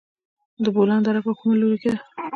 د بولان دره په کوم لوري کې ده؟